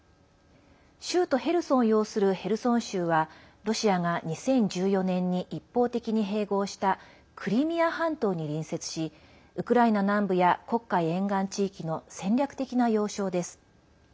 州都ヘルソンを擁するヘルソン州はロシアが、２０１４年に一方的に併合したクリミア半島に隣接しウクライナ南部や黒海沿岸地域の戦略的な要衝です。